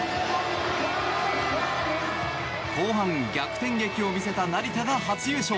後半、逆転劇を見せた成田が初優勝。